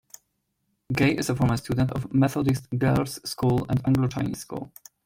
Geh is a former student of Methodist Girls' School and Anglo-Chinese School.